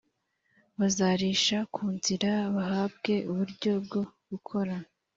Bazarisha ku nzira bahabwe uburyo bwo gukora